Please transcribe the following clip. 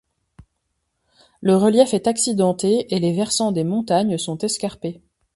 Le relief est accidenté et les versants des montagnes sont escarpés.